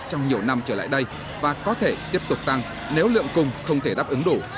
trong nhiều năm trở lại đây và có thể tiếp tục tăng nếu lượng cung không thể đáp ứng đủ